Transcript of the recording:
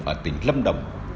ở tỉnh lâm đồng